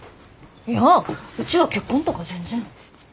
いやうちは結婚とか全然。